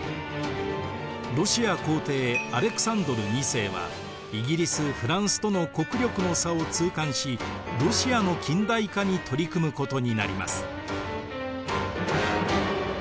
ロシア皇帝アレクサンドル２世はイギリスフランスとの国力の差を痛感しロシアの近代化に取り組むことになります。